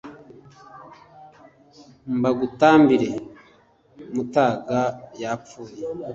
Mbagutambire Mutaga yapfuye,